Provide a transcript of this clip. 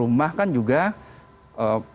juga masyarakat juga untuk keluar rumah